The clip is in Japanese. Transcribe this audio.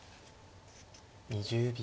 ２０秒。